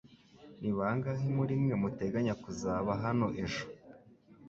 Ni bangahe muri mwe muteganya kuzaba hano ejo?